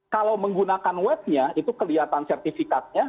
kalau menggunakan webnya itu kelihatan sertifikatnya